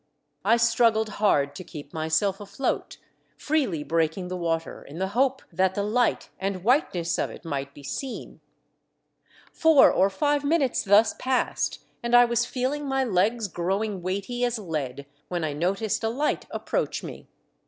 I struggled hard to keep myself afloat, freely breaking the water in the hope that the light and whiteness of it might be seen. I AM RESCUED BY TflE DEATH SHIP. 8 1 Four or five minutes thus passed and I was feeling my legs growing weighty as lead, when I noticed a light approach me.